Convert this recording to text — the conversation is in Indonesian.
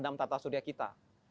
dalam tata surya kita